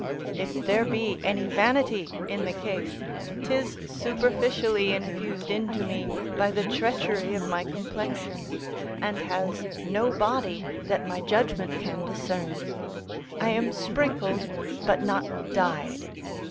If there be any vanity in the case, 'tis superficially infused into me by the treachery of my complexion, and has no body that my judgment can discern: I am sprinkled, but not dyed.